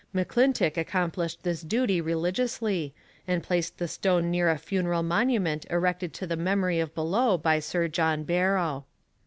McClintock accomplished this duty religiously, and placed the stone near a funeral monument erected to the memory of Bellot by Sir John Barrow.